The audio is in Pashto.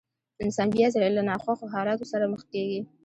انسان بيا ځلې له ناخوښو حالاتو سره مخ کېږي.